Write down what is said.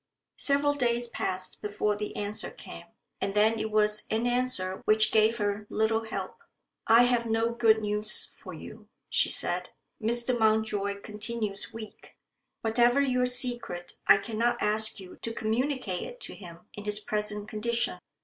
Several days passed before the answer came. And then it was an answer which gave her little help. "I have no good news for you," she said. "Mr. Mountjoy continues weak. Whatever your secret, I cannot ask you to communicate it to him in his present condition.